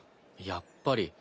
やっぱり。